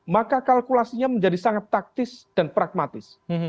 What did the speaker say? maka kalkulasinya menjadi sangat taktis dan pragmatis